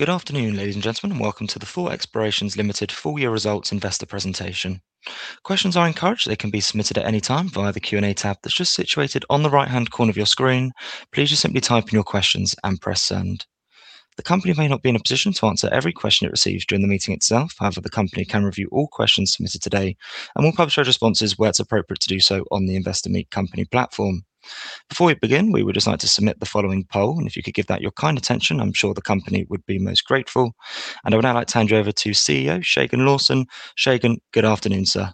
Good afternoon, ladies and gentlemen, and welcome to the Thor Explorations Limited full-year results investor presentation. Questions are encouraged. They can be submitted at any time via the Q&A tab that's just situated on the right-hand corner of your screen. Please just simply type in your questions and press send. The company may not be in a position to answer every question it receives during the meeting itself. However, the company can review all questions submitted today and will publish our responses where it's appropriate to do so on the Investor Meet Company platform. Before we begin, we would just like to submit the following poll, and if you could give that your kind attention, I'm sure the company would be most grateful. I would now like to hand you over to CEO, Segun Lawson. Segun, good afternoon, sir.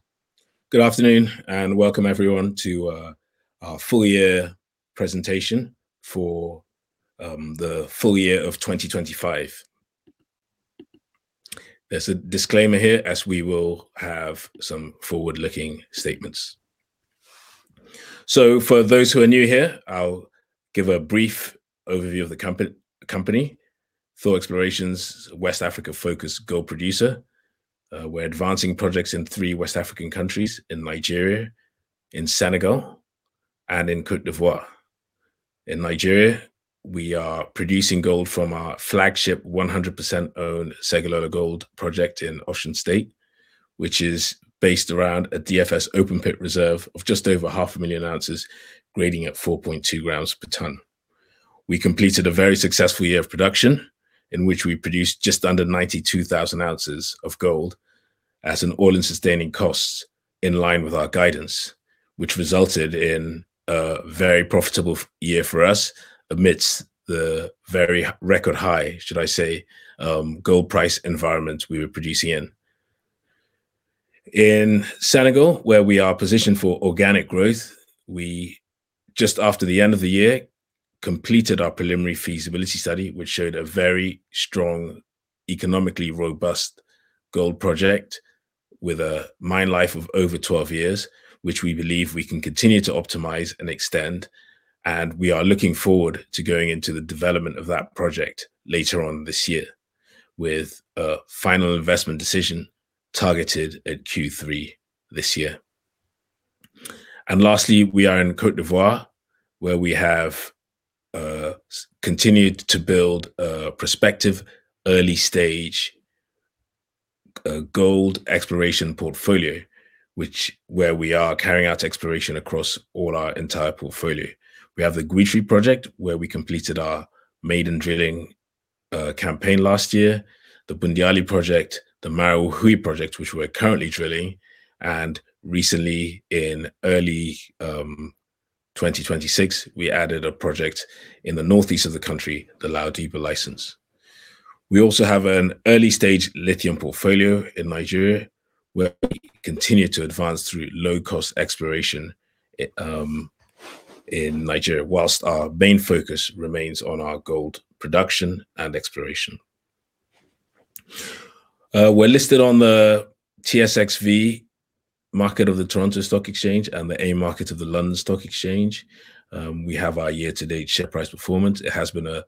Good afternoon and welcome everyone to our full-year presentation for the full year of 2025. There's a disclaimer here as we will have some forward-looking statements. For those who are new here, I'll give a brief overview of the company. Thor Explorations, West Africa-focused gold producer. We're advancing projects in three West African countries, in Nigeria, in Senegal, and in Côte d'Ivoire. In Nigeria, we are producing gold from our flagship 100%-owned Segilola Gold Project in Osun State, which is based around a DFS open-pit reserve of just over half a million ounces, grading at 4.2 grams per ton. We completed a very successful year of production, in which we produced just under 92,000 ounces of gold at an all-in sustaining cost in line with our guidance, which resulted in a very profitable year for us amidst the very high, record high should I say, gold price environment we were producing in. In Senegal, where we are positioned for organic growth, we just, after the end of the year, completed our preliminary feasibility study, which showed a very strong, economically robust gold project with a mine life of over 12 years, which we believe we can continue to optimize and extend. We are looking forward to going into the development of that project later on this year with a final investment decision targeted at Q3 this year. Lastly, we are in Côte d'Ivoire, where we have continued to build a prospective early-stage gold exploration portfolio, where we are carrying out exploration across all our entire portfolio. We have the Guitry project where we completed our maiden drilling campaign last year, the Boundiali project, the Marahui project, which we're currently drilling, and recently in early 2026, we added a project in the northeast of the country, the Loudiba license. We also have an early-stage lithium portfolio in Nigeria, where we continue to advance through low-cost exploration in Nigeria, whilst our main focus remains on our gold production and exploration. We're listed on the TSXV market of the Toronto Stock Exchange and the AIM market of the London Stock Exchange. We have our year-to-date share price performance. It has been a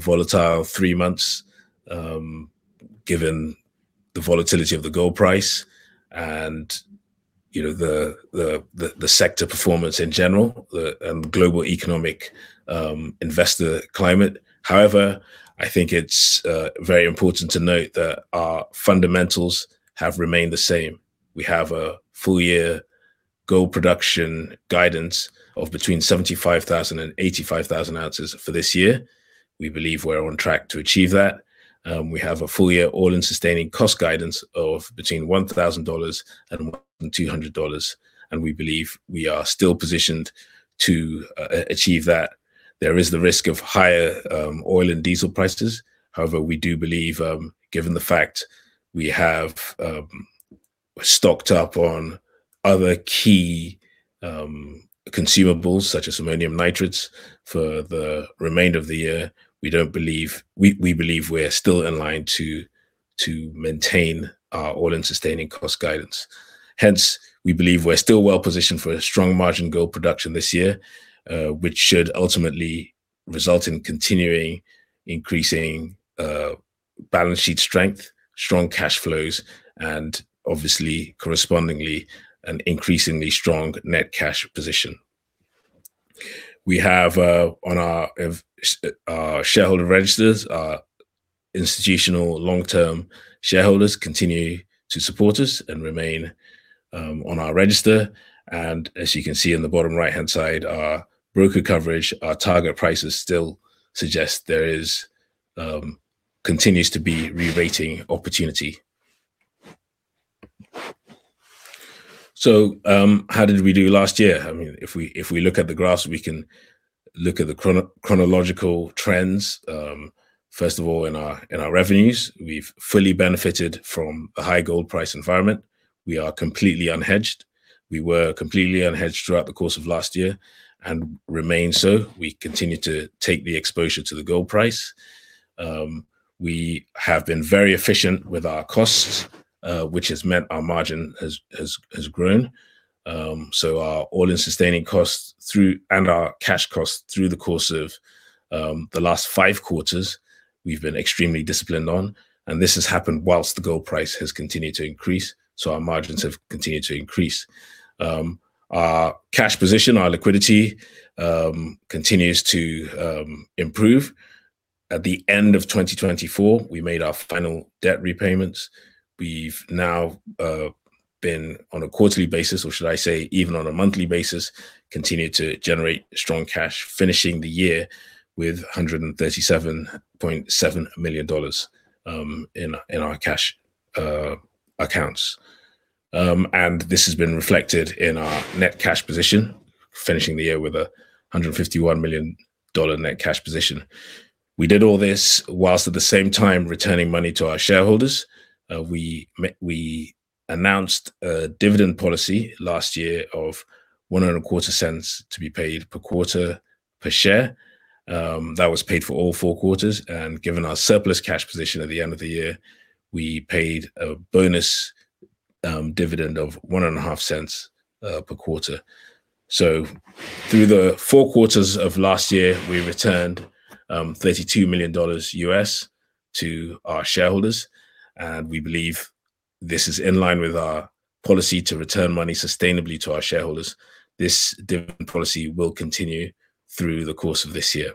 volatile three months, given the volatility of the gold price and the sector performance in general, the global economic investor climate. However, I think it's very important to note that our fundamentals have remained the same. We have a full-year gold production guidance of between 75,000 and 85,000 ounces for this year. We believe we're on track to achieve that. We have a full-year all-in sustaining cost guidance of between $1,000 and $1,200, and we believe we are still positioned to achieve that. There is the risk of higher oil and diesel prices. However, we do believe, given the fact we have stocked up on other key consumables such as ammonium nitrates for the remainder of the year, we believe we're still in line to maintain our all-in sustaining cost guidance. Hence, we believe we're still well-positioned for a strong margin gold production this year, which should ultimately result in continuing increasing balance sheet strength, strong cash flows, and obviously correspondingly, an increasingly strong net cash position. We have on our shareholder registers, our institutional long-term shareholders continue to support us and remain on our register. As you can see in the bottom right-hand side, our broker coverage, our target prices still suggest there continues to be re-rating opportunity. How did we do last year? If we look at the graphs, we can look at the chronological trends. First of all, in our revenues, we've fully benefited from a high gold price environment. We are completely unhedged. We were completely unhedged throughout the course of last year and remain so. We continue to take the exposure to the gold price. We have been very efficient with our costs, which has meant our margin has grown. Our all-in sustaining costs and our cash costs through the course of the last five quarters, we've been extremely disciplined on, and this has happened whilst the gold price has continued to increase. Our margins have continued to increase. Our cash position, our liquidity continues to improve. At the end of 2024, we made our final debt repayments. We've now been on a quarterly basis, or should I say even on a monthly basis, continued to generate strong cash, finishing the year with $137.7 million in our cash accounts. This has been reflected in our net cash position, finishing the year with a $151 million net cash position. We did all this whilst at the same time returning money to our shareholders. We announced a dividend policy last year of one and a quarter cents to be paid per quarter per share. That was paid for all four quarters, and given our surplus cash position at the end of the year, we paid a bonus dividend of one and a half cents per quarter. Through the four quarters of last year, we returned $32 million U.S. to our shareholders, and we believe this is in line with our policy to return money sustainably to our shareholders. This dividend policy will continue through the course of this year.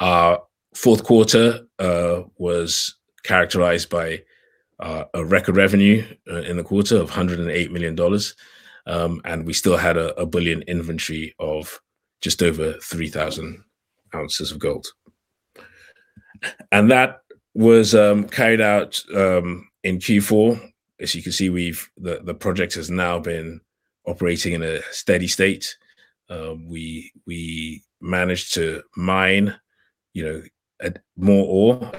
Our fourth quarter was characterized by a record revenue in the quarter of $108 million. We still had a bullion inventory of just over 3,000 ounces of gold. That was carried out in Q4. As you can see, the project has now been operating in a steady state. We managed to mine more ore,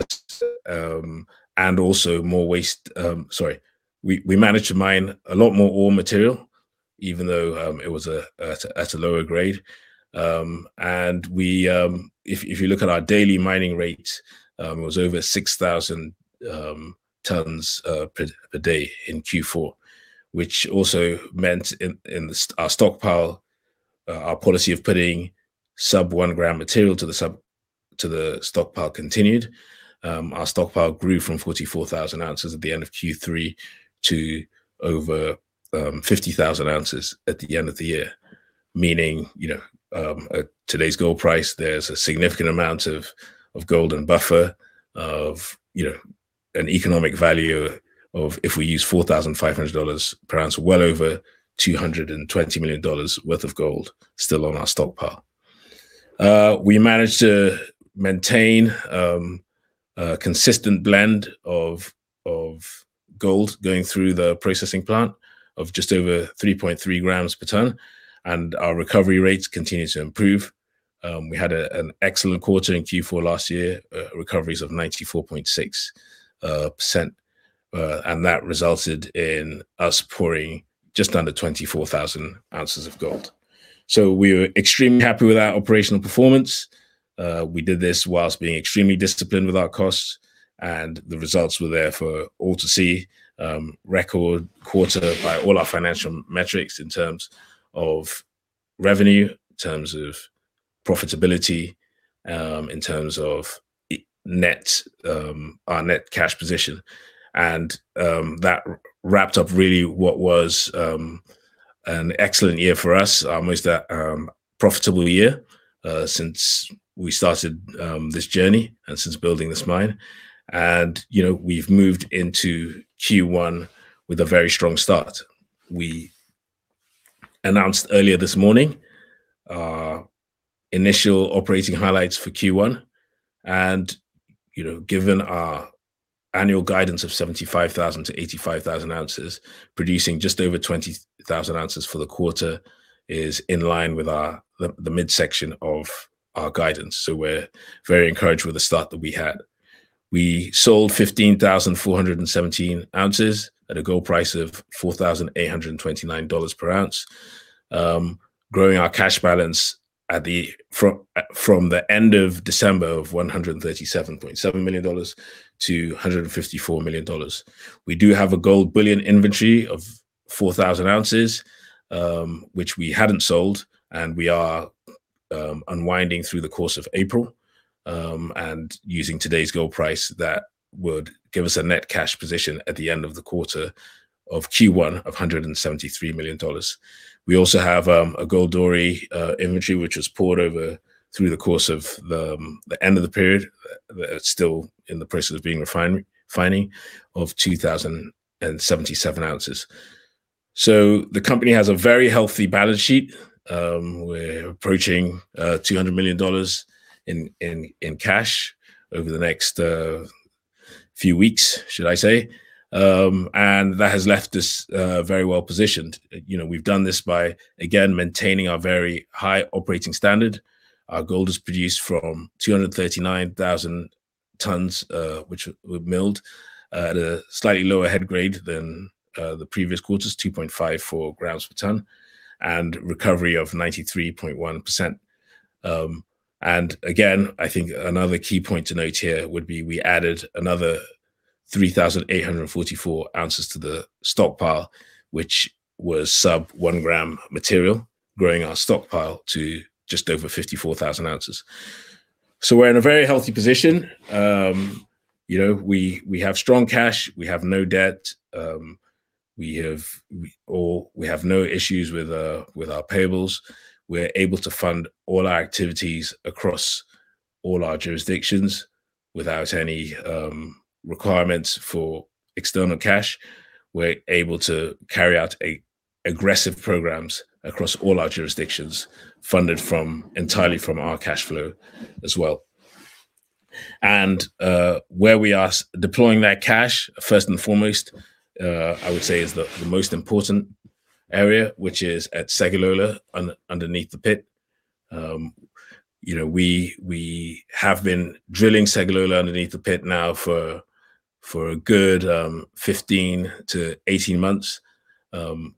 and also more waste... Sorry, we managed to mine a lot more ore material, even though it was at a lower grade. And if you look at our daily mining rate, it was over 6,000 tons per day in Q4, which also meant our stockpile, our policy of putting sub one-gram material to the stockpile continued. Our stockpile grew from 44,000 ounces at the end of Q3 to over 50,000 ounces at the end of the year. Meaning, at today's gold price, there's a significant amount of gold and buffer of an economic value of, if we use $4,500 per ounce, well over $220 million worth of gold still on our stockpile. We managed to maintain a consistent blend of gold going through the processing plant of just over 3.3 grams per ton, and our recovery rates continue to improve. We had an excellent quarter in Q4 last year, recoveries of 94.6%, and that resulted in us pouring just under 24,000 ounces of gold. We are extremely happy with our operational performance. We did this whilst being extremely disciplined with our costs, and the results were there for all to see, record quarter by all our financial metrics in terms of revenue, in terms of profitability, in terms of our net cash position. That wrapped up really what was an excellent year for us. It was the profitable year since we started this journey and since building this mine. We've moved into Q1 with a very strong start. We announced earlier this morning our initial operating highlights for Q1. Given our annual guidance of 75,000 ounces-85,000 ounces, producing just over 20,000 ounces for the quarter is in line with the midsection of our guidance. We're very encouraged with the start that we had. We sold 15,417 ounces at a gold price of $4,829 per ounce, growing our cash balance from the end of December of $137.7 million to $154 million. We do have a gold bullion inventory of 4,000 ounces, which we hadn't sold, and we are unwinding through the course of April. Using today's gold price, that would give us a net cash position at the end of the quarter of Q1 of $173 million. We also have a gold doré inventory, which was poured over through the course of the end of the period, that's still in the process of being refined, of 2,077 ounces. The company has a very healthy balance sheet. We're approaching $200 million in cash over the next few weeks, should I say, and that has left us very well positioned. We've done this by, again, maintaining our very high operating standard. Our gold is produced from 239,000 tons, which were milled at a slightly lower head grade than the previous quarters, 2.54 grams per ton, and recovery of 93.1%. Again, I think another key point to note here would be we added another 3,844 ounces to the stockpile, which was sub one-gram material, growing our stockpile to just over 54,000 ounces. We're in a very healthy position. We have strong cash. We have no debt. We have no issues with our payables. We're able to fund all our activities across all our jurisdictions without any requirements for external cash. We're able to carry out aggressive programs across all our jurisdictions funded entirely from our cash flow as well. Where we are deploying that cash, first and foremost, I would say is the most important area, which is at Segilola underneath the pit. We have been drilling Segilola underneath the pit now for a good 15 months-18 months,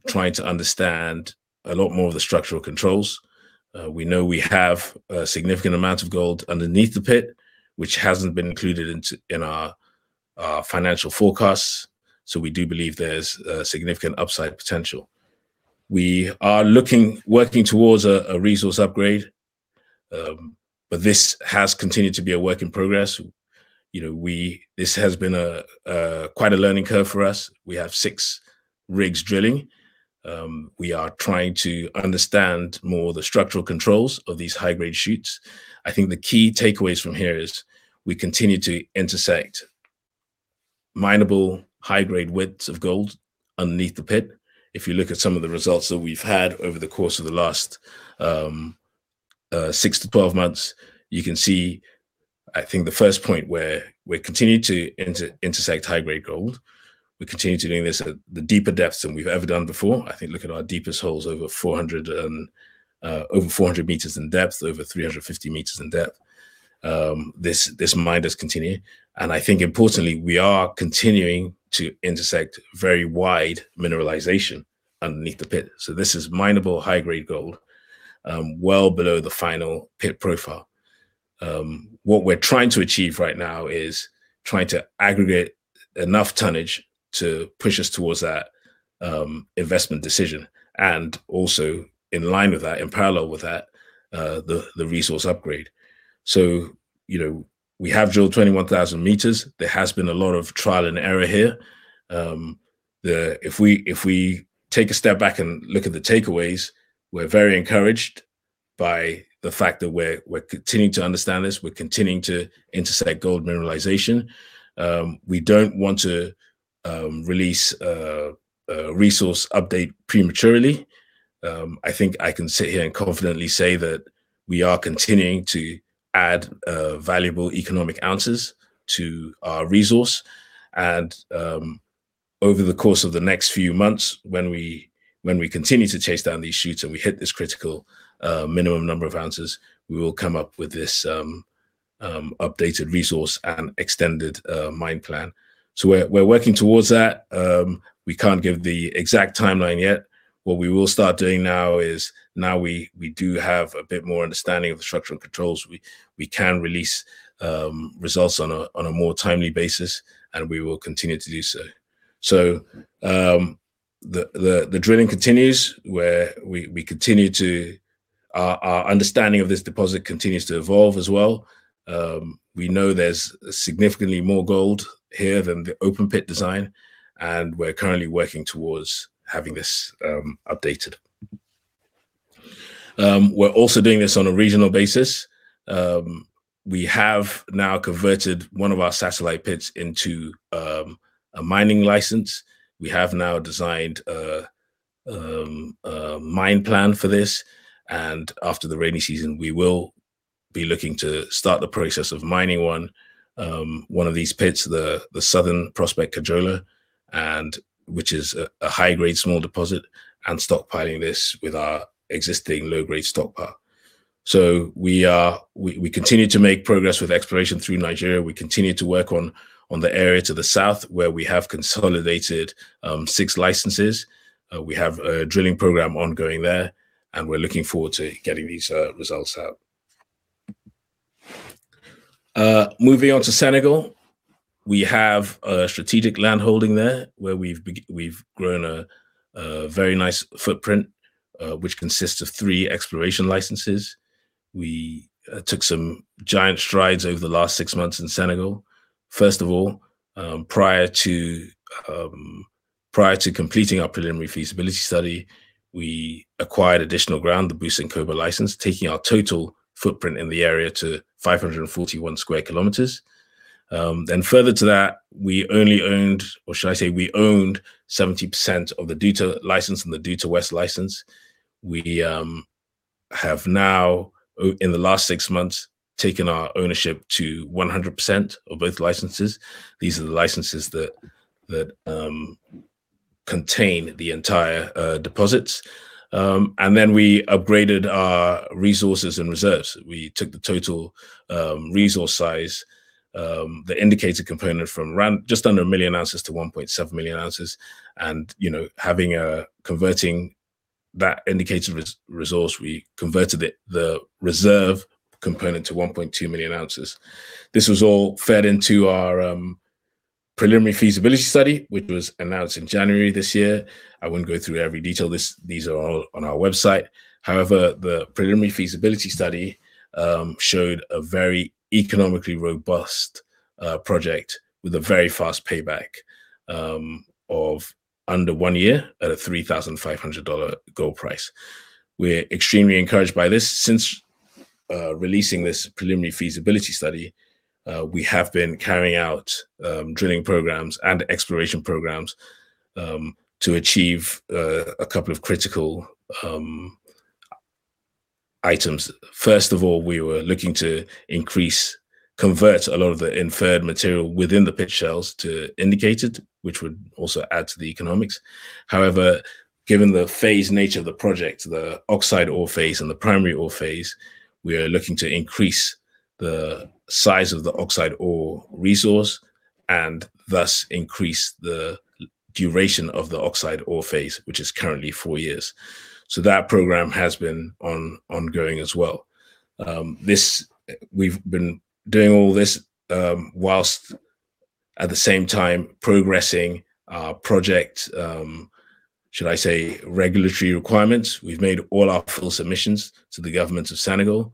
trying to understand a lot more of the structural controls. We know we have a significant amount of gold underneath the pit, which hasn't been included in our financial forecasts. We do believe there's a significant upside potential. We are working towards a resource upgrade, but this has continued to be a work in progress. This has been quite a learning curve for us. We have six rigs drilling. We are trying to understand more the structural controls of these high-grade shoots. I think the key takeaways from here is we continue to intersect mineable high-grade widths of gold underneath the pit. If you look at some of the results that we've had over the course of the last six months-12 months, you can see, I think, the first point where we continue to intersect high-grade gold. We continue to do this at the deeper depths than we've ever done before. I think, look at our deepest holes, over 400 meters in depth, over 350 meters in depth. This mine does continue, and I think, importantly, we are continuing to intersect very wide mineralization underneath the pit. This is mineable high-grade gold, well below the final pit profile. What we're trying to achieve right now is trying to aggregate enough tonnage to push us towards that investment decision, and also in line with that, in parallel with that, the resource upgrade. We have drilled 21,000 meters. There has been a lot of trial and error here. If we take a step back and look at the takeaways, we're very encouraged by the fact that we're continuing to understand this. We're continuing to intersect gold mineralization. We don't want to release a resource update prematurely. I think I can sit here and confidently say that we are continuing to add valuable economic ounces to our resource. Over the course of the next few months, when we continue to chase down these shoots and we hit this critical minimum number of ounces, we will come up with this updated resource and extended mine plan. We're working towards that. We can't give the exact timeline yet. What we will start doing now is, now we do have a bit more understanding of the structural controls, we can release results on a more timely basis, and we will continue to do so. The drilling continues. Our understanding of this deposit continues to evolve as well. We know there's significantly more gold here than the open pit design, and we're currently working towards having this updated. We're also doing this on a regional basis. We have now converted one of our satellite pits into a mining license. We have now designed a mine plan for this, and after the rainy season, we will be looking to start the process of mining one of these pits, the southern prospect, Kajola, which is a high-grade small deposit, and stockpiling this with our existing low-grade stockpile. We continue to make progress with exploration through Nigeria. We continue to work on the area to the south, where we have consolidated six licenses. We have a drilling program ongoing there, and we're looking forward to getting these results out. Moving on to Senegal. We have a strategic land holding there where we've grown a very nice footprint, which consists of three exploration licenses. We took some giant strides over the last six months in Senegal. First of all, prior to completing our preliminary feasibility study, we acquired additional ground, the Bousankhoba license, taking our total footprint in the area to 541 sq km. Further to that, we only owned, or should I say, we owned 70% of the Douta license and the Douta West license. We have now, in the last six months, taken our ownership to 100% of both licenses. These are the licenses that contain the entire deposits. We upgraded our resources and reserves. We took the total resource size, the indicated component from just under 1 million ounces to 1.7 million ounces. Converting that indicated resource, we converted the reserve component to 1.2 million ounces. This was all fed into our preliminary feasibility study, which was announced in January this year. I won't go through every detail. These are all on our website. However, the preliminary feasibility study showed a very economically robust project with a very fast payback of under one year at a $3,500 gold price. We're extremely encouraged by this. Since releasing this preliminary feasibility study, we have been carrying out drilling programs and exploration programs to achieve a couple of critical items. First of all, we were looking to convert a lot of the inferred material within the pit shells to indicated, which would also add to the economics. However, given the phase nature of the project, the oxide ore phase and the primary ore phase, we are looking to increase the size of the oxide ore resource and thus increase the duration of the oxide ore phase, which is currently four years. That program has been ongoing as well. We've been doing all this while at the same time progressing our project, should I say, regulatory requirements. We've made all our full submissions to the government of Senegal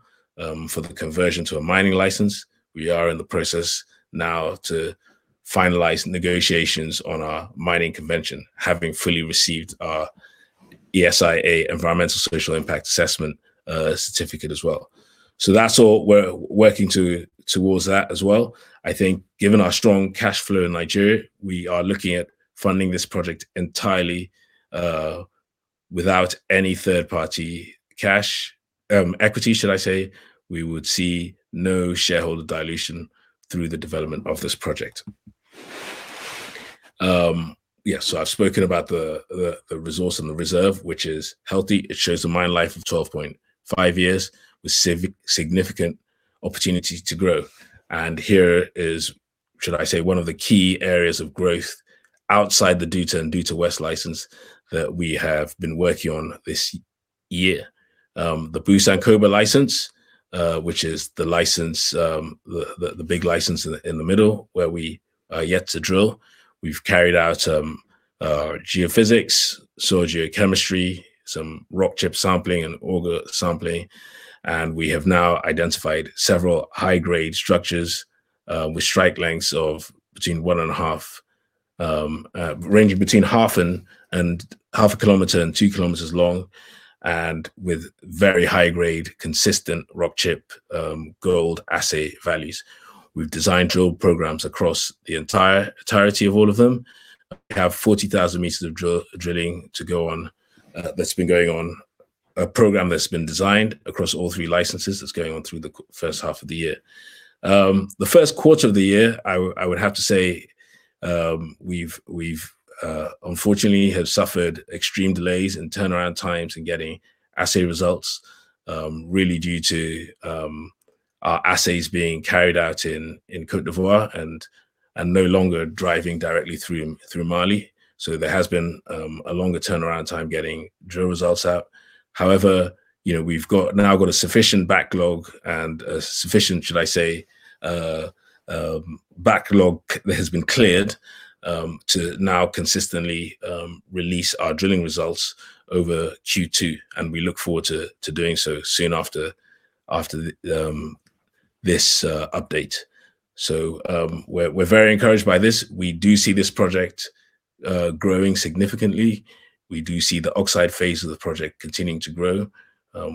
for the conversion to a mining license. We are in the process now to finalize negotiations on our mining convention, having fully received our ESIA, Environmental Social Impact Assessment certificate as well. That's all we're working towards that as well. I think given our strong cash flow in Nigeria, we are looking at funding this project entirely without any third-party cash, equity should I say. We would see no shareholder dilution through the development of this project. Yeah. I've spoken about the resource and the reserve, which is healthy. It shows a mine life of 12.5 years with significant opportunity to grow. Here is, should I say, one of the key areas of growth outside the Douta and Douta West license that we have been working on this year. The Bousankhoba license, which is the big license in the middle where we are yet to drill. We've carried out geophysics, soil geochemistry, some rock chip sampling and auger sampling, and we have now identified several high-grade structures with strike lengths ranging between half a kilometer and two km long and with very high-grade, consistent rock chip gold assay values. We've designed drill programs across the entirety of all of them, have 40,000 meters of drilling to go on that's been going on, a program that's been designed across all three licenses that's going on through the first half of the year. Q1 of the year, I would have to say, we've unfortunately suffered extreme delays in turnaround times in getting assay results, really due to our assays being carried out in Côte d'Ivoire and no longer driving directly through Mali. There has been a longer turnaround time getting drill results out. However, we've now got a sufficient, should I say, backlog that has been cleared to now consistently release our drilling results over Q2 and we look forward to doing so soon after this update. We're very encouraged by this. We do see this project growing significantly. We do see the oxide phase of the project continuing to grow.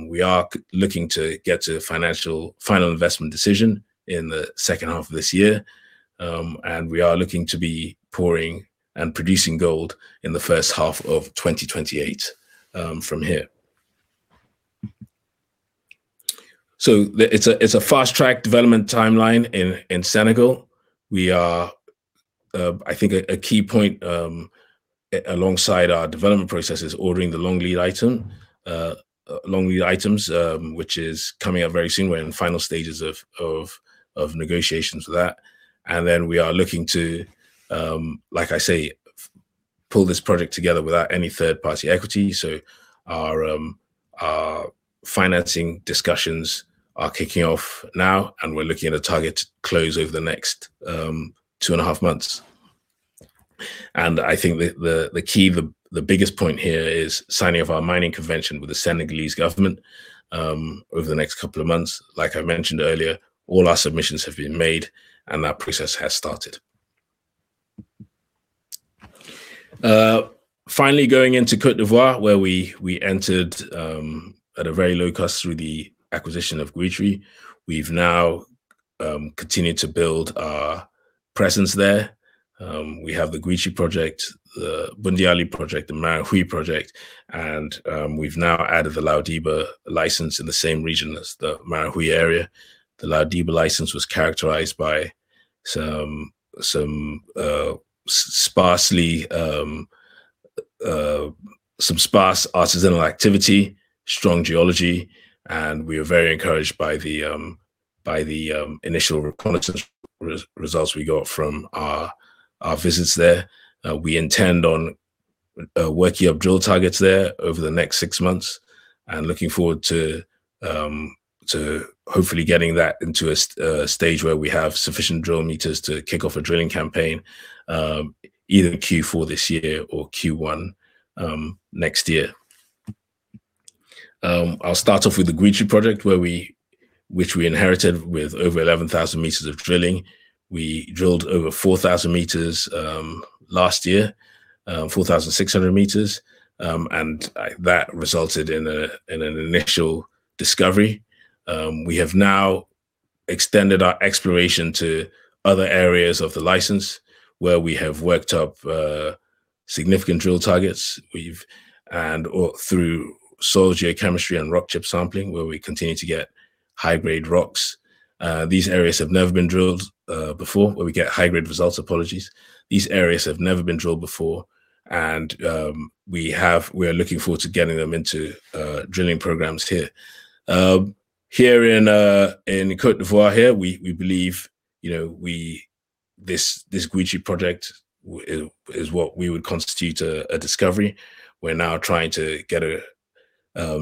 We are looking to get to financial final investment decision in H2 of this year. We are looking to be pouring and producing gold in H1 of 2028 from here. It's a fast-track development timeline in Senegal. I think a key point alongside our development process is ordering the long lead items, which is coming up very soon. We're in the final stages of negotiations for that. We are looking to, like I say, pull this project together without any third-party equity. Our financing discussions are kicking off now, and we're looking at a target close over the next two and a half months. I think the biggest point here is signing off our mining convention with the Senegalese government over the next couple of months. Like I mentioned earlier, all our submissions have been made and that process has started. Finally, going into Côte d'Ivoire, where we entered at a very low cost through the acquisition of Guitry. We've now continued to build our presence there. We have the Guitry project, the Boundiali project, the Marahui project, and we've now added the Loudiba license in the same region as the Marahui area. The Loudiba license was characterized by some sparse artisanal activity, strong geology, and we are very encouraged by the initial reconnaissance results we got from our visits there. We intend on working up drill targets there over the next six months and looking forward to hopefully getting that into a stage where we have sufficient drill meters to kick off a drilling campaign, either Q4 this year or Q1 next year. I'll start off with the Guitry project, which we inherited with over 11,000 meters of drilling. We drilled over 4,000 meters last year, 4,600 meters, and that resulted in an initial discovery. We have now extended our exploration to other areas of the license where we have worked up significant drill targets and/or through soil geochemistry and rock chip sampling, where we continue to get high-grade rocks. These areas have never been drilled before, where we get high-grade results, apologies. These areas have never been drilled before, and we are looking forward to getting them into drilling programs here. Here in Côte d'Ivoire here, we believe this Guitry project is what we would constitute a discovery. We're now trying to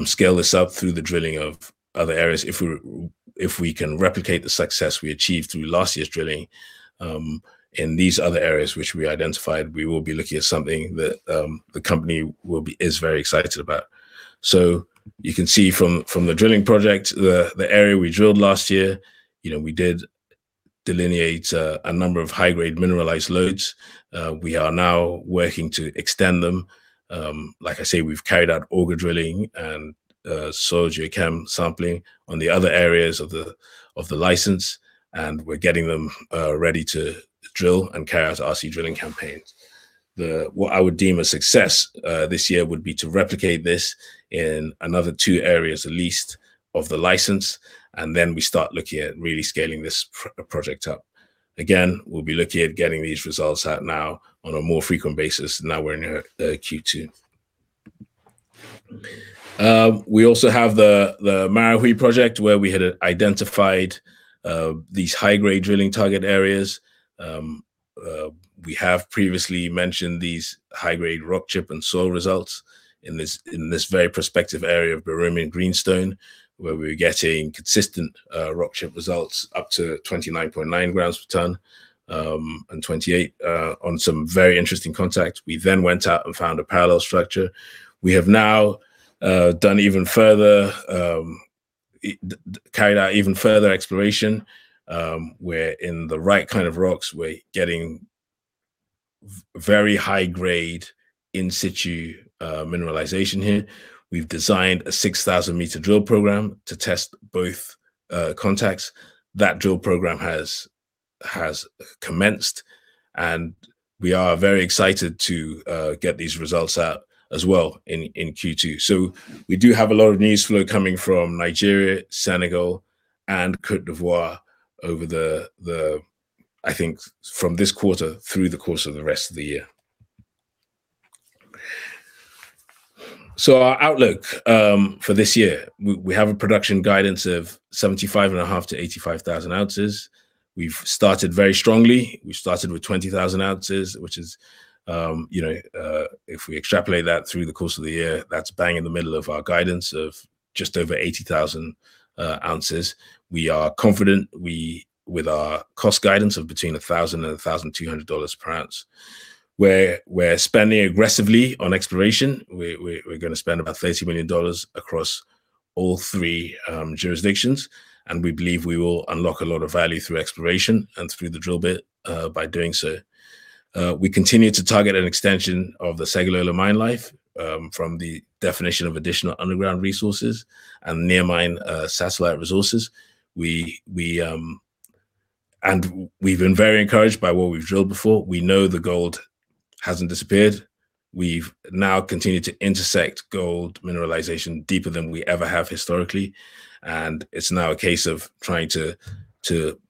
scale this up through the drilling of other areas. If we can replicate the success we achieved through last year's drilling, in these other areas which we identified, we will be looking at something that the company is very excited about. You can see from the drilling project, the area we drilled last year, we did delineate a number of high-grade mineralized lodes. We are now working to extend them. Like I say, we've carried out auger drilling and soil geochem sampling on the other areas of the license, and we're getting them ready to drill and carry out RC drilling campaigns. What I would deem a success this year would be to replicate this in another two areas, at least of the license, and then we start looking at really scaling this project up. Again, we'll be looking at getting these results out now on a more frequent basis now we're near Q2. We also have the Marahui project where we had identified these high-grade drilling target areas. We have previously mentioned these high-grade rock chip and soil results in this very prospective area of Birimian greenstone where we were getting consistent rock chip results up to 29.9 grams per tonne, and 28 on some very interesting contacts. We then went out and found a parallel structure. We have now carried out even further exploration, where in the right kind of rocks, we're getting very high-grade in situ mineralization here. We've designed a 6,000-meter drill program to test both contacts. That drill program has commenced, and we are very excited to get these results out as well in Q2. We do have a lot of news flow coming from Nigeria, Senegal, and Côte d'Ivoire, I think, from this quarter through the course of the rest of the year. Our outlook for this year. We have a production guidance of 75.5-85,000 ounces. We've started very strongly. We started with 20,000 ounces, which is, if we extrapolate that through the course of the year, that's bang in the middle of our guidance of just over 80,000 ounces. We are confident with our cost guidance of between $1,000 and $1,200 per ounce. We're spending aggressively on exploration. We're going to spend about $30 million across all three jurisdictions, and we believe we will unlock a lot of value through exploration and through the drill bit by doing so. We continue to target an extension of the Segilola mine life from the definition of additional underground resources and near-mine satellite resources. We've been very encouraged by what we've drilled before. We know the gold hasn't disappeared. We've now continued to intersect gold mineralization deeper than we ever have historically, and it's now a case of trying to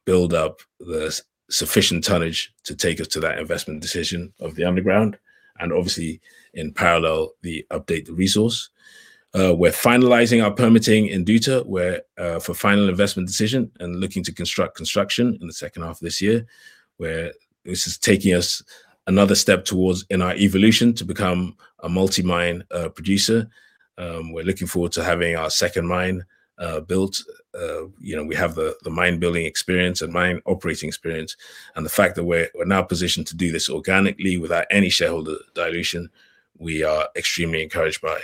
build up the sufficient tonnage to take us to that investment decision of the underground, and obviously, in parallel, update the resource. We're finalizing our permitting in Douta for final investment decision and looking to construction in H2 of this year, where this is taking us another step in our evolution to become a multi-mine producer. We're looking forward to having our second mine built. We have the mine building experience and mine operating experience, and the fact that we're now positioned to do this organically without any shareholder dilution, we are extremely encouraged by.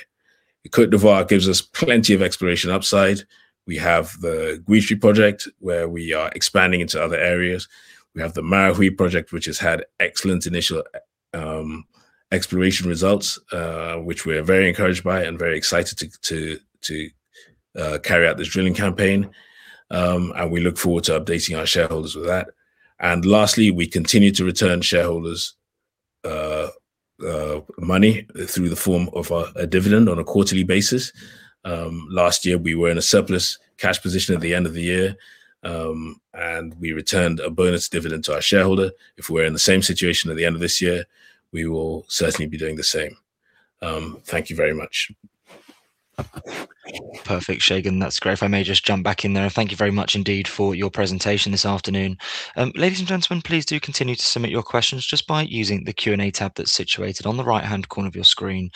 Côte d'Ivoire gives us plenty of exploration upside. We have the Guitry project, where we are expanding into other areas. We have the Marahui project, which has had excellent initial exploration results, which we're very encouraged by and very excited to carry out this drilling campaign. We look forward to updating our shareholders with that. Lastly, we continue to return shareholders' money through the form of a dividend on a quarterly basis. Last year, we were in a surplus cash position at the end of the year, and we returned a bonus dividend to our shareholder. If we're in the same situation at the end of this year, we will certainly be doing the same. Thank you very much. Perfect, Segun. That's great. If I may just jump back in there, thank you very much indeed for your presentation this afternoon. Ladies and gentlemen, please do continue to submit your questions just by using the Q&A tab that's situated on the right-hand corner of your screen.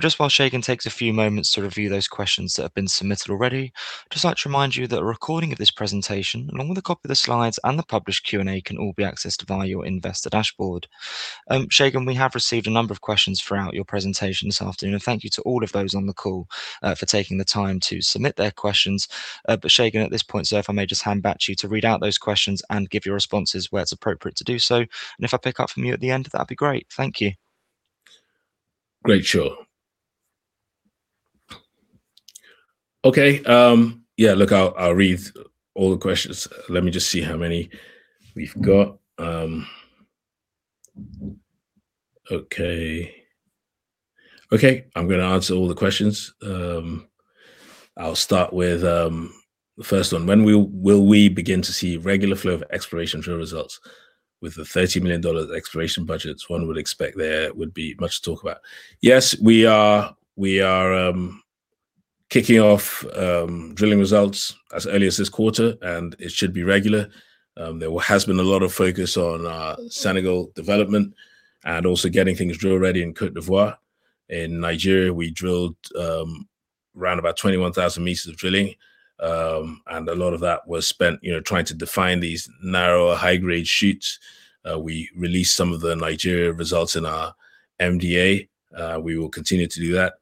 Just while Segun takes a few moments to review those questions that have been submitted already, just like to remind you that a recording of this presentation, along with a copy of the slides and the published Q&A, can all be accessed via your investor dashboard. Segun, we have received a number of questions throughout your presentation this afternoon. Thank you to all of those on the call for taking the time to submit their questions. Segun, at this point, sir, if I may just hand back to you to read out those questions and give your responses where it's appropriate to do so. If I pick up from you at the end, that'd be great. Thank you. Great. Sure. Okay. Yeah, look, I'll read all the questions. Let me just see how many we've got. Okay. I'm going to answer all the questions. I'll start with the first one. When will we begin to see regular flow of exploration drill results? With the $30 million exploration budgets, one would expect there would be much to talk about. Yes. We are kicking off drilling results as early as this quarter, and it should be regular. There has been a lot of focus on Senegal development and also getting things drill ready in Côte d'Ivoire. In Nigeria, we drilled round about 21,000 meters of drilling, and a lot of that was spent trying to define these narrow high-grade sheets. We released some of the Nigeria results in our MD&A. We will continue to do that.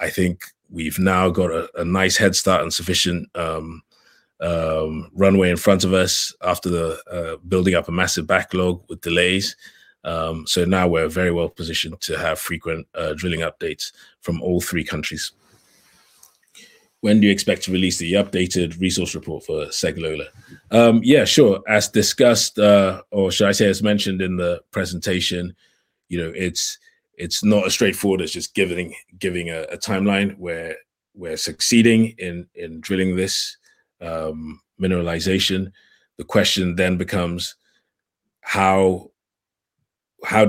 I think we've now got a nice head start and sufficient runway in front of us after the building up a massive backlog with delays. Now we're very well positioned to have frequent drilling updates from all three countries. When do you expect to release the updated resource report for Segilola? Yeah, sure. As discussed, or should I say, as mentioned in the presentation, it's not as straightforward as just giving a timeline where we're succeeding in drilling this mineralization. The question then becomes how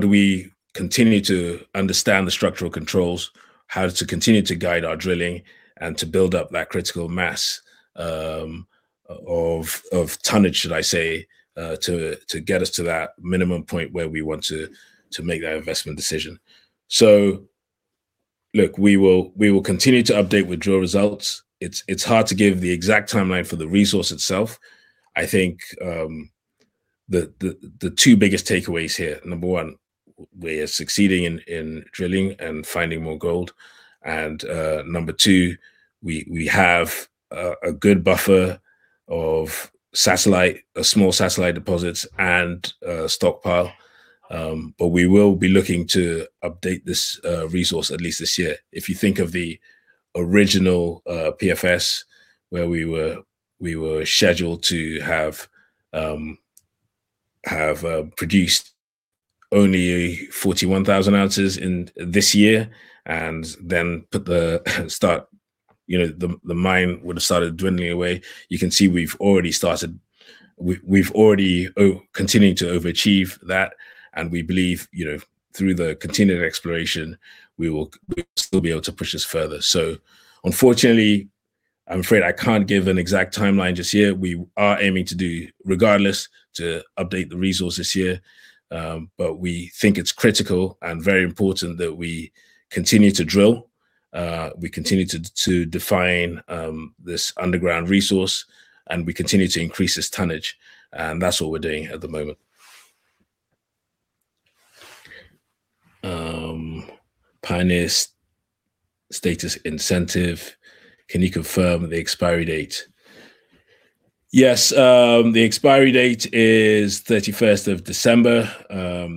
do we continue to understand the structural controls, how to continue to guide our drilling and to build up that critical mass of tonnage, should I say, to get us to that minimum point where we want to make that investment decision. Look, we will continue to update with drill results. It's hard to give the exact timeline for the resource itself. I think the two biggest takeaways here, number one, we are succeeding in drilling and finding more gold. Number two, we have a good buffer of satellite, small satellite deposits and a stockpile. We will be looking to update this resource at least this year. If you think of the original PFS where we were scheduled to have produced only 41,000 ounces in this year and then the mine would have started dwindling away. You can see we've already started, we're already continuing to overachieve that, and we believe, through the continued exploration, we will still be able to push this further. Unfortunately, I'm afraid I can't give an exact timeline just yet. We are aiming to do regardless to update the resource this year. We think it's critical and very important that we continue to drill, we continue to define this underground resource, and we continue to increase this tonnage, and that's what we're doing at the moment. Pioneer Status Incentive, can you confirm the expiry date? Yes. The expiry date is 31st of December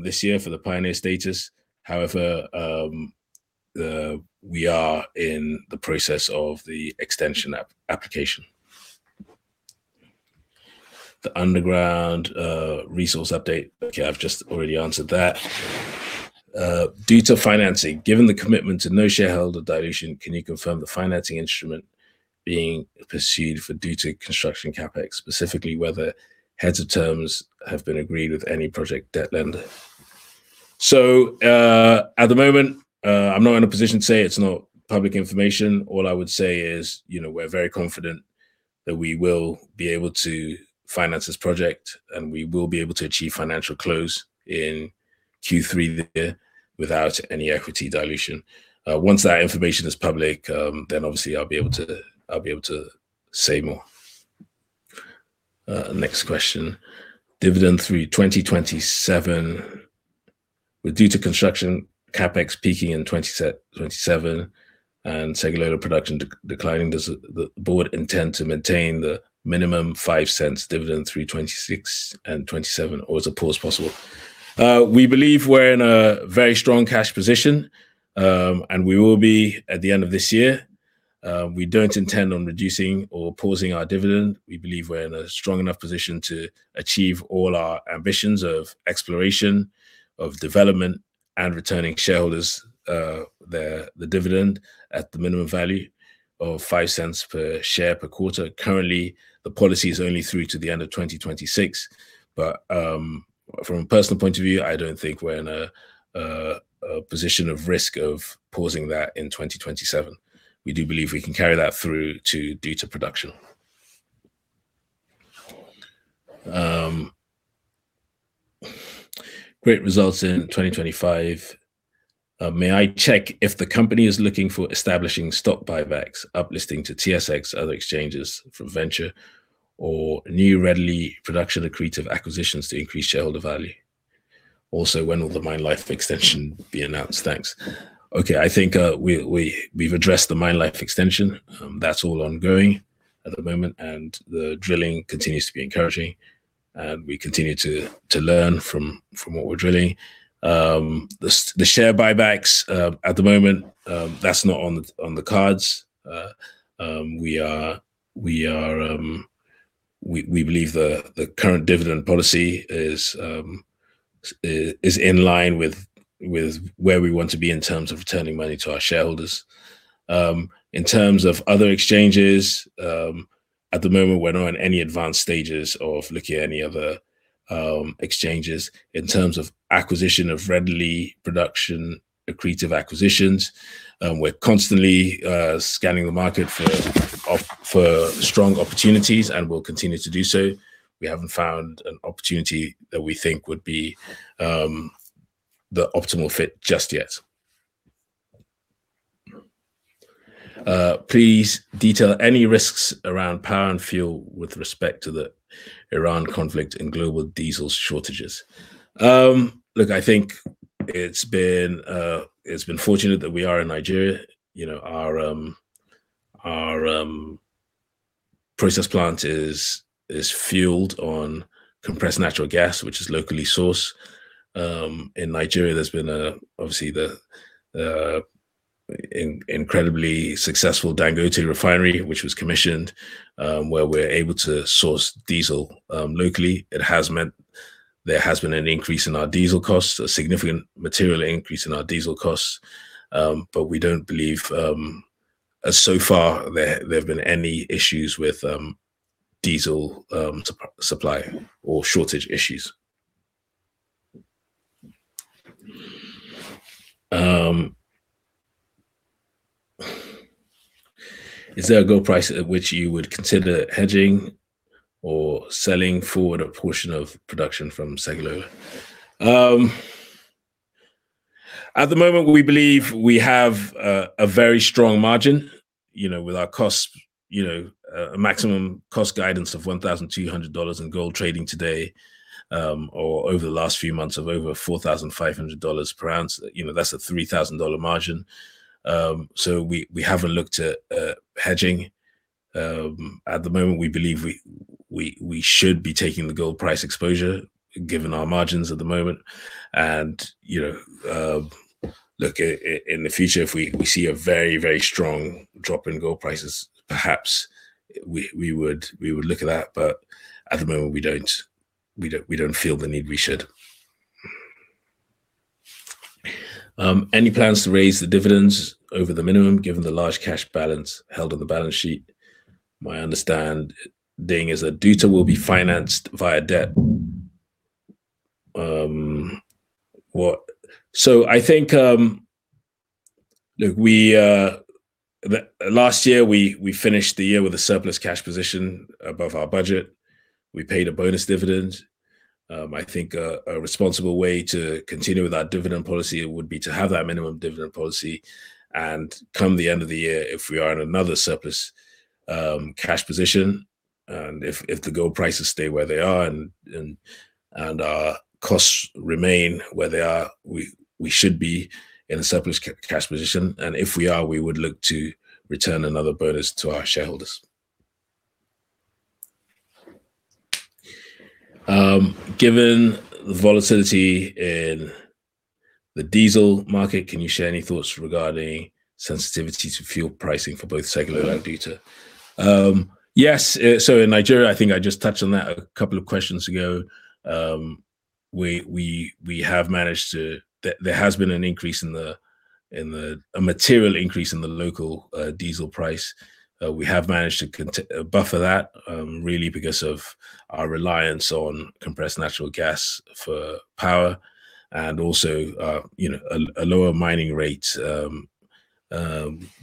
this year for the Pioneer Status. However, we are in the process of the extension application. The underground resource update. Okay, I've just already answered that. Douta financing. Given the commitment to no shareholder dilution, can you confirm the financing instrument being pursued for Douta construction CapEx, specifically whether heads of terms have been agreed with any project debt lender? At the moment, I'm not in a position to say it's not public information. All I would say is we're very confident that we will be able to finance this project, and we will be able to achieve financial close in Q3 this year without any equity dilution. Once that information is public, then obviously I'll be able to say more. Next question, dividend through 2027. With Douta construction CapEx peaking in 2027 and Segilola production declining, does the Board intend to maintain the minimum $0.05 dividend through 2026 and 2027 or is a pause possible? We believe we're in a very strong cash position, and we will be at the end of this year. We don't intend on reducing or pausing our dividend. We believe we're in a strong enough position to achieve all our ambitions of exploration, of development and returning shareholders their dividend at the minimum value of $0.05 per share per quarter. Currently, the policy is only through to the end of 2026. From a personal point of view, I don't think we're in a position of risk of pausing that in 2027. We do believe we can carry that through to Douta production. Great results in 2025. May I check if the company is looking for establishing stock buybacks, uplisting to TSX, other exchanges from venture or new readily production accretive acquisitions to increase shareholder value? Also, when will the mine life extension be announced? Thanks. Okay. I think we've addressed the mine life extension. That's all ongoing at the moment, and the drilling continues to be encouraging, and we continue to learn from what we're drilling. The share buybacks, at the moment, that's not on the cards. We believe the current dividend policy is in line with where we want to be in terms of returning money to our shareholders. In terms of other exchanges, at the moment, we're not in any advanced stages of looking at any other exchanges. In terms of acquisition of readily production accretive acquisitions, we're constantly scanning the market for strong opportunities and will continue to do so. We haven't found an opportunity that we think would be the optimal fit just yet. Please detail any risks around power and fuel with respect to the Iran conflict and global diesel shortages. Look, I think it's been fortunate that we are in Nigeria. Our process plant is fueled on compressed natural gas, which is locally sourced. In Nigeria, there's been obviously the incredibly successful Dangote Refinery, which was commissioned, where we're able to source diesel locally. It has meant there has been a significant material increase in our diesel costs, but we don't believe, so far, there have been any issues with diesel supply or shortage issues. Is there a gold price at which you would consider hedging or selling forward a portion of production from Segilola? At the moment, we believe we have a very strong margin, with our maximum cost guidance of $1,200 and gold trading today, or over the last few months, of over $4,500 per ounce. That's a $3,000 margin. We haven't looked at hedging. At the moment, we believe we should be taking the gold price exposure given our margins at the moment. Look, in the future, if we see a very strong drop in gold prices, perhaps we would look at that, but at the moment we don't feel the need we should. Any plans to raise the dividends over the minimum given the large cash balance held on the balance sheet? My understanding is that Douta will be financed via debt. I think, look, last year, we finished the year with a surplus cash position above our budget. We paid a bonus dividend. I think a responsible way to continue with our dividend policy would be to have that minimum dividend policy and come the end of the year, if we are in another surplus cash position and if the gold prices stay where they are and our costs remain where they are, we should be in a surplus cash position. If we are, we would look to return another bonus to our shareholders. Given the volatility in the diesel market, can you share any thoughts regarding sensitivity to fuel pricing for both Segilola and Douta? Yes. In Nigeria, I think I just touched on that a couple of questions ago. There has been a material increase in the local diesel price. We have managed to buffer that, really because of our reliance on compressed natural gas for power and also a lower mining rate.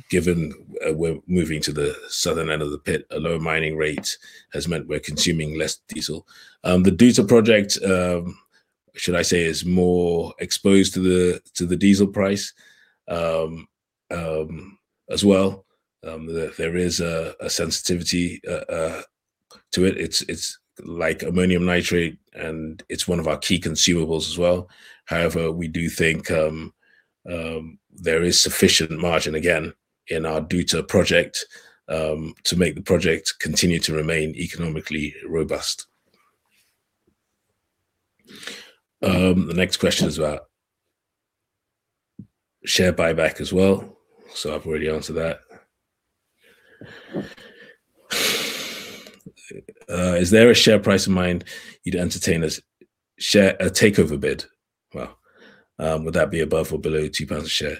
Given we're moving to the southern end of the pit, a lower mining rate has meant we're consuming less diesel. The Douta project, should I say, is more exposed to the diesel price as well. There is a sensitivity to it. It's like ammonium nitrate, and it's one of our key consumables as well. We do think there is sufficient margin again in our Douta project to make the project continue to remain economically robust. The next question is about share buyback as well. I've already answered that. Is there a share price in mind you'd entertain a takeover bid? Wow. Would that be above or below 2 pounds a share?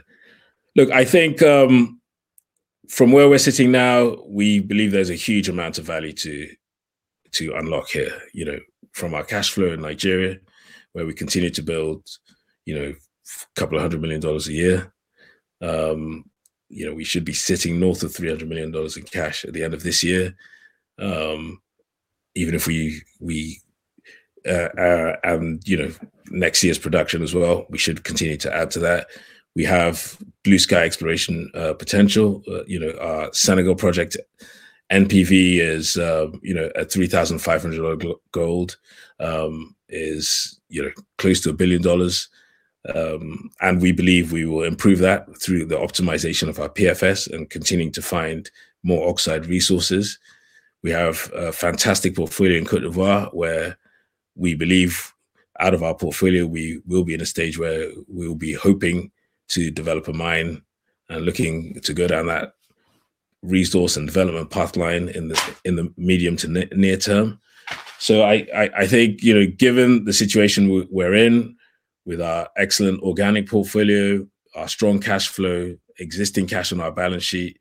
Look, from where we're sitting now, we believe there's a huge amount of value to unlock here. From our cash flow in Nigeria, where we continue to build a couple of $100 million a year, we should be sitting north of $300 million in cash at the end of this year. Even if we add next year's production as well, we should continue to add to that. We have blue sky exploration potential. Our Senegal project NPV is at $3,500 gold, is close to $1 billion, and we believe we will improve that through the optimization of our PFS and continuing to find more oxide resources. We have a fantastic portfolio in Côte d'Ivoire, where we believe out of our portfolio, we will be in a stage where we'll be hoping to develop a mine and looking to go down that resource and development pathline in the medium to near term. I think, given the situation we're in with our excellent organic portfolio, our strong cash flow, existing cash on our balance sheet,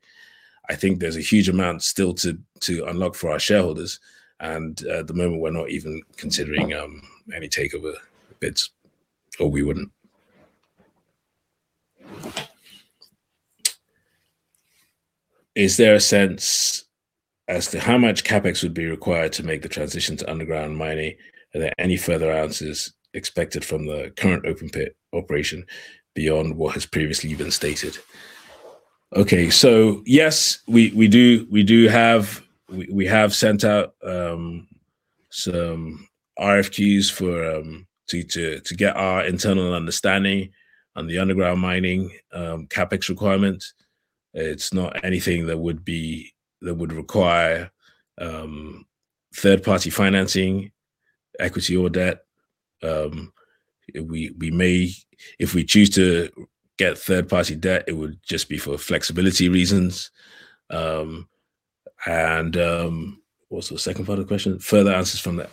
I think there's a huge amount still to unlock for our shareholders, and at the moment, we're not even considering any takeover bids, or we wouldn't. Is there a sense as to how much CapEx would be required to make the transition to underground mining? Are there any further ounces expected from the current open pit operation beyond what has previously been stated? Okay. Yes, we have sent out some RFQs to get our internal understanding on the underground mining CapEx requirement. It's not anything that would require third-party financing, equity or debt. If we choose to get third-party debt, it would just be for flexibility reasons. What's the second part of the question? Further ounces from the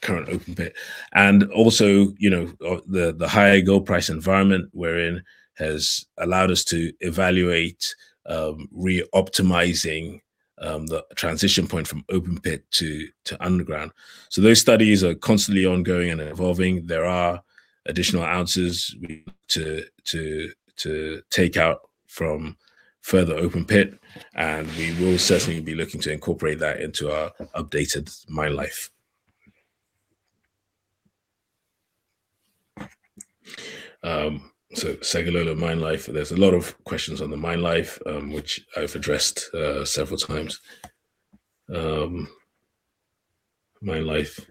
current open pit. The higher gold price environment we're in has allowed us to evaluate re-optimizing the transition point from open pit to underground. Those studies are constantly ongoing and evolving. There are additional ounces to take out from further open pit, and we will certainly be looking to incorporate that into our updated mine life. Segilola, mine life. There's a lot of questions on the mine life, which I've addressed several times. Mine life.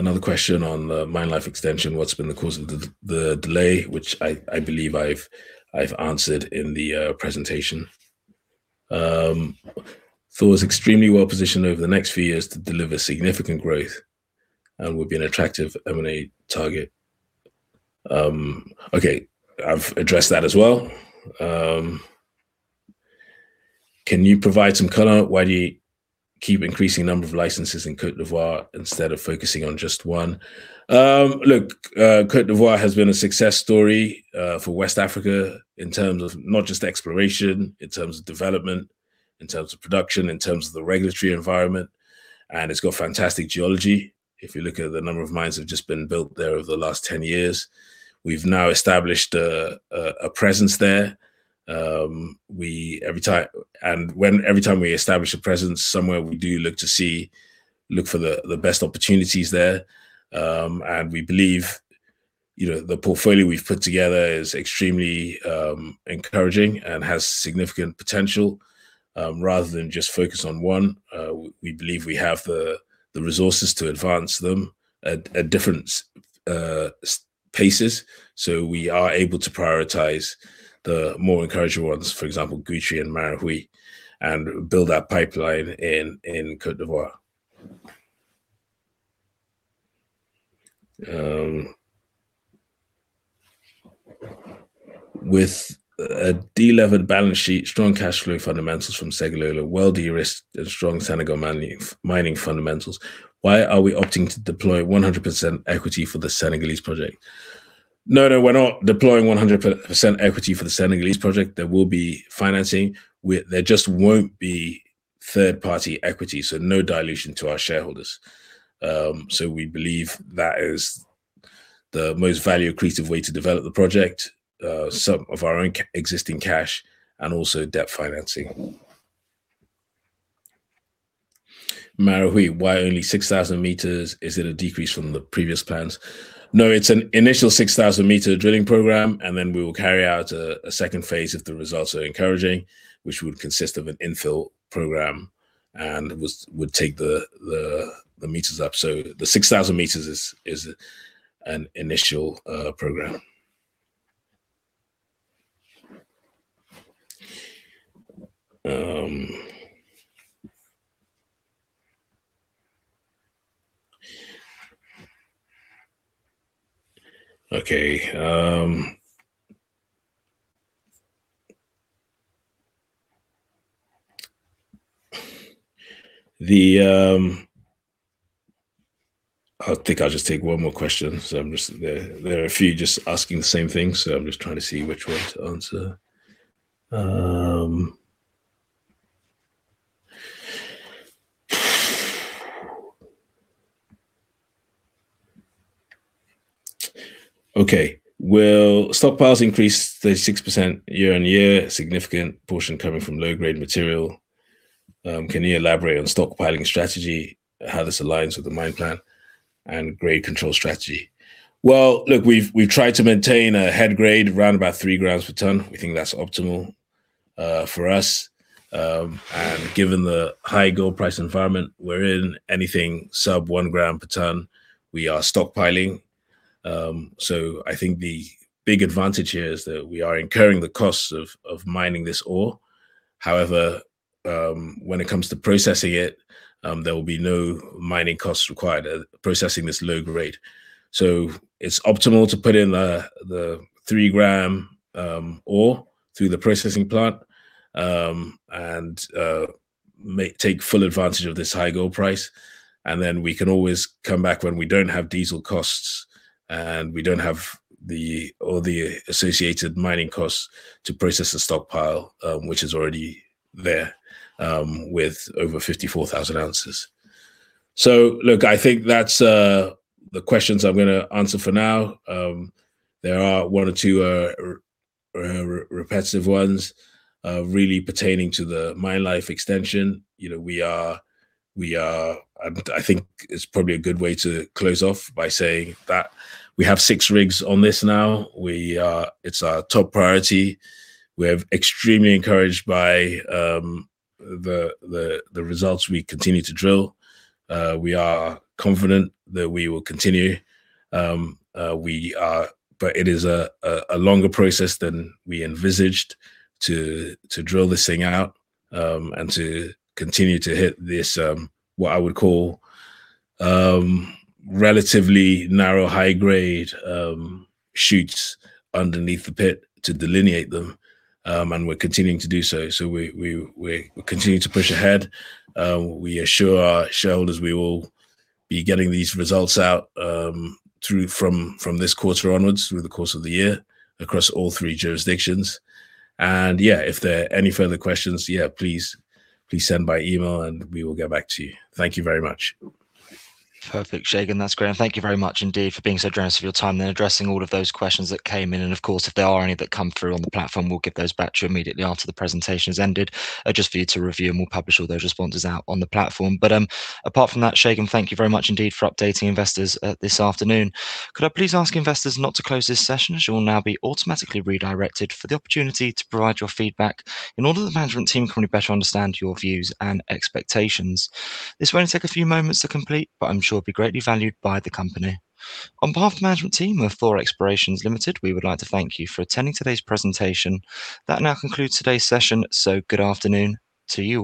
Another question on the mine life extension. What's been the cause of the delay, which I believe I've answered in the presentation? Thor is extremely well-positioned over the next few years to deliver significant growth and will be an attractive M&A target. Okay, I've addressed that as well. Can you provide some color? Why do you keep increasing the number of licenses in Côte d'Ivoire instead of focusing on just one? Look, Côte d'Ivoire has been a success story for West Africa in terms of not just exploration, in terms of development, in terms of production, in terms of the regulatory environment, and it's got fantastic geology, if you look at the number of mines that have just been built there over the last 10 years. We've now established a presence there. Every time we establish a presence somewhere, we do look for the best opportunities there, and we believe the portfolio we've put together is extremely encouraging and has significant potential. Rather than just focus on one, we believe we have the resources to advance them at different paces, so we are able to prioritize the more encouraging ones, for example, Guitry and Marahui, and build that pipeline in Côte d'Ivoire. With a de-levered balance sheet, strong cash flow fundamentals from Segilola, well de-risked and strong Senegal mining fundamentals, why are we opting to deploy 100% equity for the Senegalese project? No, we're not deploying 100% equity for the Senegalese project. There will be financing. There just won't be third-party equity, so no dilution to our shareholders. We believe that is the most value-accretive way to develop the project. Some of our own existing cash and also debt financing. Marahui, why only 6,000 meters? Is it a decrease from the previous plans? No, it's an initial 6,000 meter drilling program, and then we will carry out a second phase if the results are encouraging, which would consist of an infill program and would take the meters up. The 6,000 meters is an initial program. Okay. I think I'll just take one more question. There are a few just asking the same thing, so I'm just trying to see which one to answer. Okay. Well, stockpiles increased 36% year-over-year, a significant portion coming from low-grade material. Can you elaborate on stockpiling strategy, how this aligns with the mine plan and grade control strategy? Well, look, we've tried to maintain a head grade around about three grams per ton. We think that's optimal for us. Given the high gold price environment we're in, anything sub one gram per ton, we are stockpiling. I think the big advantage here is that we are incurring the costs of mining this ore. However, when it comes to processing it, there will be no mining costs required processing this low grade. It's optimal to put in the three-gram ore through the processing plant, and take full advantage of this high gold price, and then we can always come back when we don't have diesel costs and we don't have all the associated mining costs to process the stockpile, which is already there, with over 54,000 ounces. Look, I think that's the questions I'm going to answer for now. There are one or two repetitive ones, really pertaining to the mine life extension. I think it's probably a good way to close off by saying that we have six rigs on this now. It's our top priority. We're extremely encouraged by the results we continue to drill. We are confident that we will continue. It is a longer process than we envisaged to drill this thing out, and to continue to hit this, what I would call, relatively narrow, high-grade shoots underneath the pit to delineate them. We're continuing to do so. We continue to push ahead. We assure our shareholders we will be getting these results out, from this quarter onwards through the course of the year across all three jurisdictions. Yeah, if there are any further questions, please send by email and we will get back to you. Thank you very much. Perfect, Segun. That's great. Thank you very much indeed for being so generous with your time and addressing all of those questions that came in. Of course, if there are any that come through on the platform, we'll get those back to you immediately after the presentation has ended, just for you to review, and we'll publish all those responses out on the platform. Apart from that, Segun, thank you very much indeed for updating investors this afternoon. Could I please ask investors not to close this session as you will now be automatically redirected for the opportunity to provide your feedback in order that the Management Team can only better understand your views and expectations. This will only take a few moments to complete, but I'm sure it'll be greatly valued by the company. On behalf of the management team of Thor Explorations Ltd., we would like to thank you for attending today's presentation. That now concludes today's session. So good afternoon to you all